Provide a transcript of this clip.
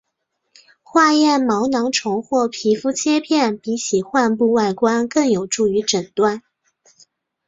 化验毛囊虫或皮肤切片比起患部外观更有助于诊断。